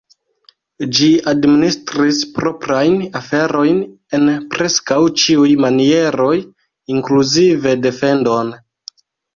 Ĝi administris proprajn aferojn en preskaŭ ĉiuj manieroj, inkluzive defendon.